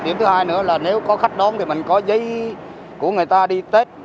điểm thứ hai nữa là nếu có khách đón thì mình có giấy của người ta đi tết